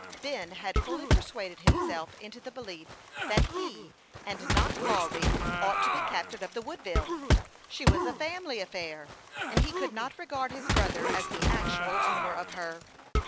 Ben had fully persuaded himself into the belief that he, and not Lawry, ought to be captain of the Woodville. She was a family affair, and he could not regard his brother as the actual owner of her.